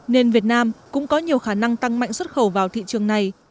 nên việt nam cũng có nhiều khả năng tăng mạnh xuất khẩu vào thị trường này